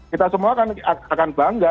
kita semua akan bangga